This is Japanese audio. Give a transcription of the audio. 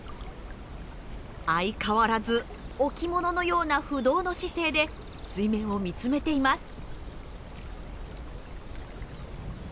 相変わらず置物のような不動の姿勢で水面を見つめています。